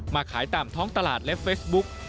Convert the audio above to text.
ขายตามท้องตลาดและเฟซบุ๊ก